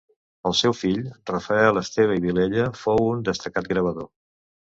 El seu fill, Rafael Esteve i Vilella, fou un destacat gravador.